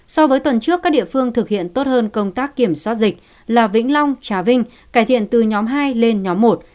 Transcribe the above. so với tuần trước các địa phương thực hiện tốt hơn công tác kiểm soát dịch là vĩnh long trà vinh cải thiện từ nhóm hai lên nhóm một